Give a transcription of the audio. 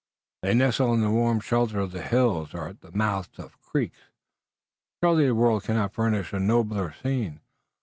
They nestle in the warm shelter of the hills or at the mouths of the creeks. Surely, the world cannot furnish a nobler scene."